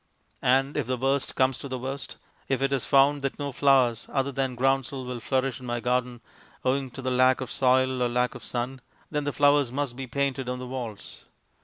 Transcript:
And if the worst comes to the worst if it is found that no flowers (other than groundsel) will flourish in my garden, owing to lack of soil or lack of sun then the flowers must be painted on the walls.